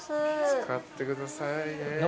使ってくださいね。